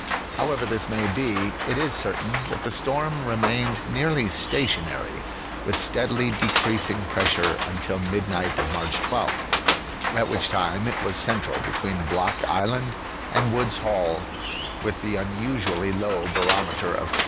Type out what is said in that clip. However this may be, it is certain that the storm remained nearly station ary, with steadily decreasing pressure until midnight of March 12th, at which time it was central between Block Island and Wood's HoU, with an unusually low barometer of 28.